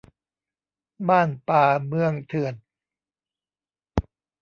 บ้านป่า เมืองเถื่อน